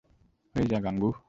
হয়ে যা, গাঙু।